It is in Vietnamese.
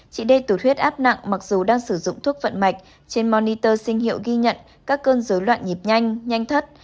chị d tủ thuyết áp nặng mặc dù đang sử dụng thuốc vận mạch trên monitor sinh hiệu ghi nhận các cơn dối loạn nhịp nhanh nhanh thất